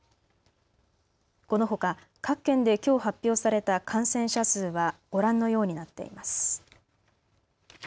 このほか各県できょう発表された感染者数はご覧のようになっています。